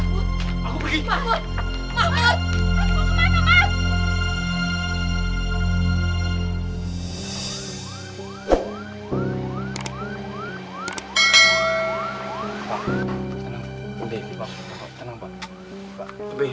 kalian bilang kalian gak tau